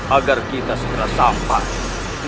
agar kita segera sampai